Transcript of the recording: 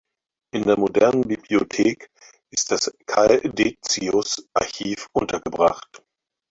In der modernen Bibliothek ist das Karl-Dedecius-Archiv untergebracht.